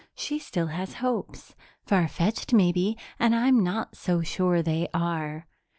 She still has hopes far fetched, maybe, and I'm not so sure they are.